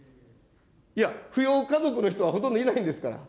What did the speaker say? いや、扶養家族の人はほとんどいないんですから。